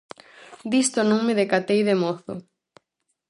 Disto non me decatei de mozo.